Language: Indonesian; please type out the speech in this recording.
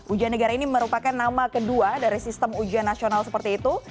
ujian negara ini merupakan nama kedua dari sistem ujian nasional seperti itu